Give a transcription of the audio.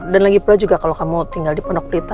dan lagi pula juga kalau kamu tinggal di pondok pelita